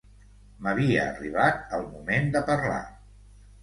M'havia arribat el moment de parlar.